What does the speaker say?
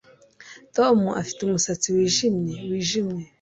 Tom afite umusatsi wijimye wijimye